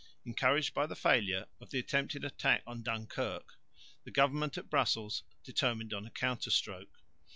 Encouraged by the failure of the attempted attack on Dunkirk the government at Brussels determined on a counter stroke.